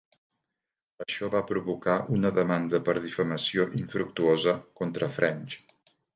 Això va provocar una demanda per difamació infructuosa contra French.